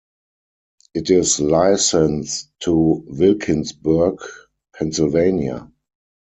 It is licensed to Wilkinsburg, Pennsylvania.